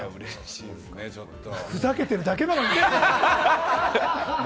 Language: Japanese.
ふざけているだけなのに。